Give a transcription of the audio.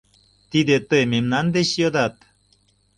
Тиде тый мемнан деч йодат?!